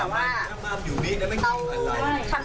พวกคุณคือพี่ค่ะตามเราเลย